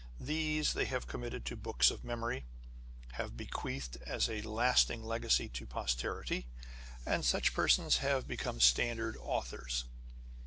These they have committed to books of memory, have bequeathed as a lasting legacy to posterity; and such persons have become standard authors.